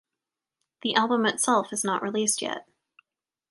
The album itself is not released yet.